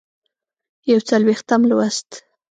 یوڅلوېښتم لوست